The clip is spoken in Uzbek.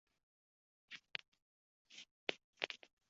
Oʼrtoqlari ichra obroʼy.